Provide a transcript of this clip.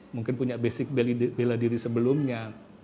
mungkin punya basic bela diri sebelumnya